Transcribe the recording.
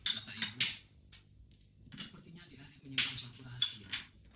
kata ibu sepertinya di arif menyimpan suatu rahasia